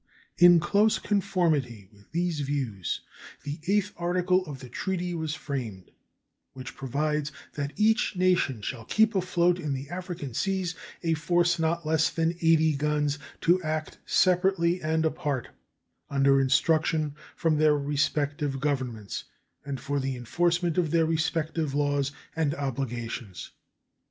In close conformity with these views the eighth article of the treaty was framed; which provides "that each nation shall keep afloat in the African seas a force not less than 80 guns, to act separately and apart, under instructions from their respective Governments, and for the enforcement of their respective laws and obligations."